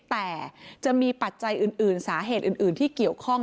แต่จะมีปัจจัยอื่นสาเหตุอื่นที่เกี่ยวข้อง